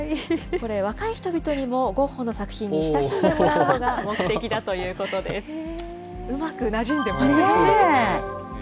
これ、若い人々にもゴッホの作品に親しんでもらうのが目的だうまくなじんでますね。